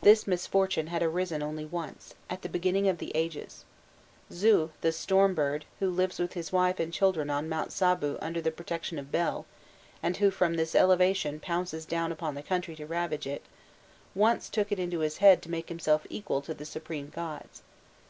This misfortune had arisen only once, at the beginning of the ages. Zu, the storm bird, who lives with his wife and children on Mount Sabu under the protection of Bel, and who from this elevation pounces down upon the country to ravage it, once took it into his head to make himself equal to the supreme gods.